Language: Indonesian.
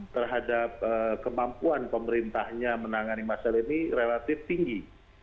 terhadap kemampuan pemerintahnya menangani masalah ini relatif tinggi